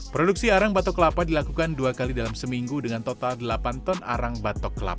produksi arang batok kelapa dilakukan dua kali dalam seminggu dengan total delapan ton arang batok kelapa